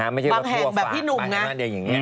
บางแห่งแบบพี่หนุ่มนะ